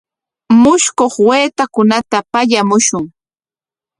Mushkuq waytakunata pallamushun.